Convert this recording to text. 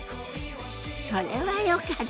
それはよかった。